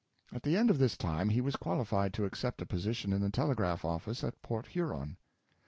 At the end of this time he was qualified to accept a position in the telegraph office at Port Huron.